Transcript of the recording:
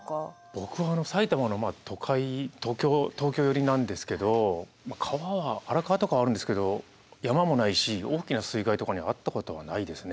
僕は埼玉のまあ都会東京寄りなんですけど川は荒川とかはあるんですけど山もないし大きな水害とかに遭ったことはないですね。